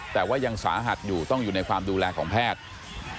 แต่ว่ายังสาหัสอยู่ต้องอยู่ในความดูแลของแพทย์